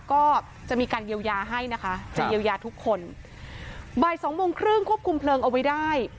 ก็จะมีการเยียวยาให้นะคะจะเยียวยาทุกคนบ่ายสองโมงครึ่งควบคุมเพลิงเอาไว้ได้